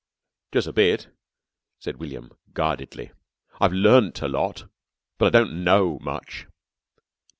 "Jus' a bit," said William, guardedly. "I've learnt a lot, but I don't know much."